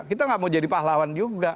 kita gak mau jadi pahlawan juga